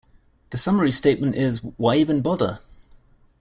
The summary statement is: Why even bother?